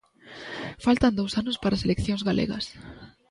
Faltan dous anos para as eleccións galegas.